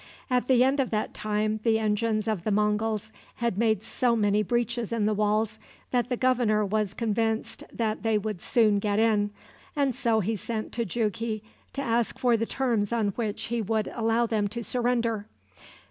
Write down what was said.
At the end of that time the engines of the Monguls had made so many breaches in the walls that the governor was convinced that they would soon get in, and so he sent to Jughi to ask for the terms on which he would allow them to surrender.